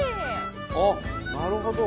あっなるほど。